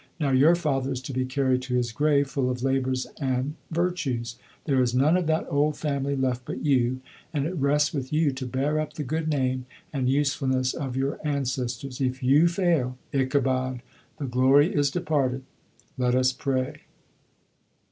Now your father is to be carried to his grave, full of labors and virtues. There is none of that old family left but you, and it rests with you to bear up the good name and usefulness of your ancestors. If you fail Ichabod! the glory is departed. Let us pray."